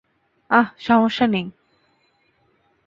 আহ, সমস্যা নেই।